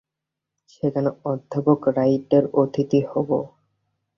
সেখানে অধ্যাপক রাইটের অতিথি হব।